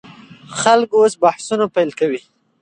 خلک اوس بحثونه پیل کوي.